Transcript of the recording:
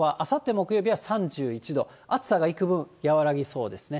木曜日は３１度、暑さがいくぶん和らぎそうですね。